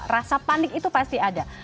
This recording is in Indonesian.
rasa panik itu pasti ada